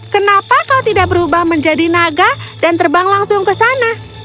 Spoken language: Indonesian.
kenapa kau tidak berubah menjadi naga dan terbang langsung ke sana